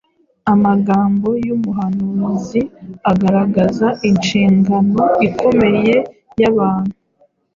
Amagambo y’umuhanuzi agaragaza inshingano ikomeye y’abantu